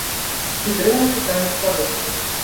І дрэнна чытаюць па-руску.